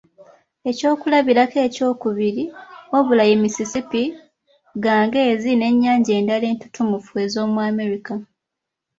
Ekyokulabirako ekyokubiri, Wabula ye Mississippi, Ganges n’ennyanja endala entutumufu ez’omu America.